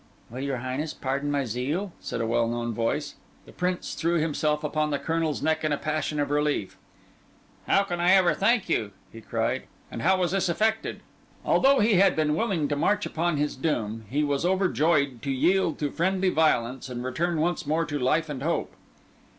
"Will your Highness pardon my zeal?" said a well known voice. The Prince threw himself upon the Colonel's neck in a passion of relief. "How can I ever thank you?" he cried. "And how was this effected?" Although he had been willing to march upon his doom, he was overjoyed to yield to friendly violence, and return once more to life and hope.